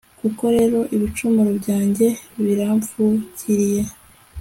koko rero ibicumuro byanjye birampfukiriye